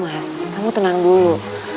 mas kamu tenang dulu